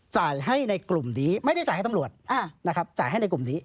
จ่ายให้ในกลุ่มนี้ไม่ได้จ่ายให้ตำรวจนะครับจ่ายให้ในกลุ่มนี้